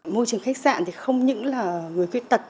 môi trường khách sạn thì không những là người khuyết tật